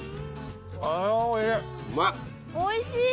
あおいしい。